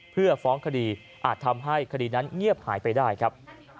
เพื่อฟ้องคดีอาจทำให้คดีนั้นเงียบหายไปได้ครับ